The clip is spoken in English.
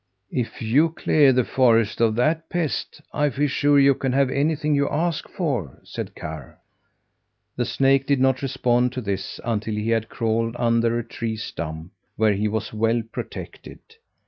"If you clear the forest of that pest, I feel sure you can have anything you ask for," said Karr. The snake did not respond to this until he had crawled under a tree stump, where he was well protected.